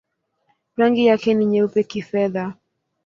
Rangi yake ni nyeupe-kifedha.